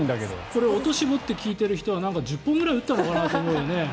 これ、聞いてる人は１０本くらい打ったのかなと思うよね。